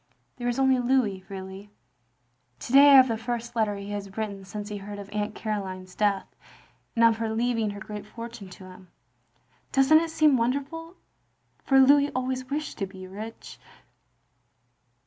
There is only Louis, really. To day I have the first letter he has written since he heard of Aunt Caroline's death, and of her leaving her great forttine to him. Doesn't it seem wcaiderful? For Louis always wished to be rich.